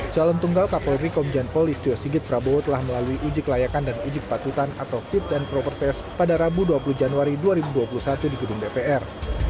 calon tunggal kapolri komjen polis tio sigit prabowo telah melalui uji kelayakan dan uji kepatutan atau fit and proper test pada rabu dua puluh januari dua ribu dua puluh satu di gedung dpr